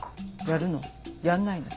やるの？